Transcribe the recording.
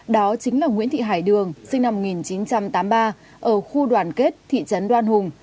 đó chính là nguyễn thị hải đường sinh năm một nghìn chín trăm tám mươi ba ở khu đoàn kết thị trấn đoan hùng